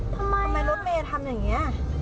ทำไมรถเมย์ทำอย่างนี้